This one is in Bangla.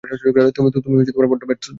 তুমি বড্ড ব্যস্ত মানুষ।